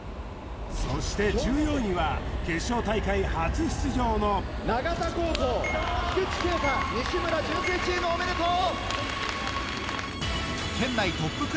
そして１４位は決勝大会初出場の長田高校菊池啓太・西村順成チームおめでとう！